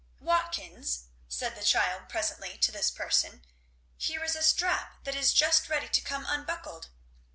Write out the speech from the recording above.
"Watkins," said the child presently to this person, "here is a strap that is just ready to come unbuckled."